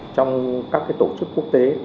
trong các tổ chức quốc tế